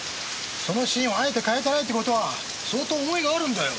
そのシーンをあえて変えてないってことは相当思いがあるんだよ！